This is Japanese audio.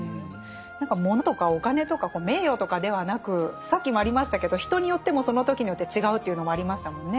物とかお金とか名誉とかではなくさっきもありましたけど人によってもその時によって違うというのもありましたもんね。